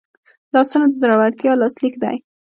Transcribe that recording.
لاسونه د زړورتیا لاسلیک دی